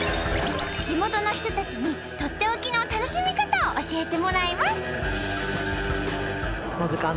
地元の人たちにとっておきの楽しみかたを教えてもらいます。